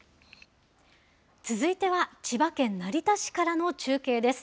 続いては千葉県成田市からの中継です。